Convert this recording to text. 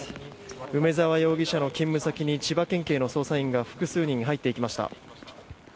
梅沢容疑者の勤務先に千葉県警の捜査員が複数人、入っていきました。